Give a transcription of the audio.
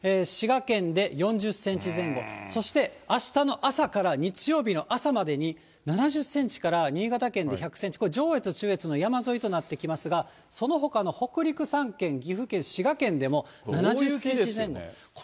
滋賀県で４０センチ前後、そしてあしたの朝から日曜日の朝までに、７０センチから、新潟県で１００センチ、これ、上越、中越の山沿いとなってきますが、そのほかの北陸３県、岐阜県、滋賀県でも７０センチ前後。